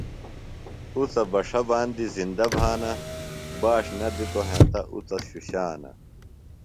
اُڅہ بݜہ باندیۡ زِندہ بھانہ۔ باݜ نہ دِتوۡ ہینتہ اُڅہ شُشانہ۔